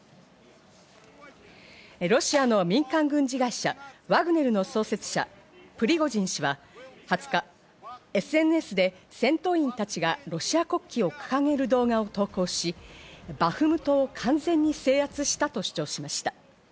ロシアの民間軍事会社ワグネルの創設者・プリゴジン氏は２０日、ＳＮＳで戦闘員たちがロシア国旗を掲げる動画を投稿し、バフムトを完全に制圧したと主張しました。